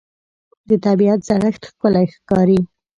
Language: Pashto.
د طبیعت زړښت ښکلی ښکاري